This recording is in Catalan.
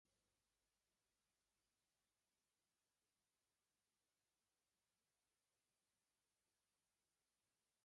no audio